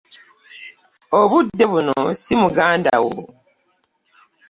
Obudde buno si muganda wo.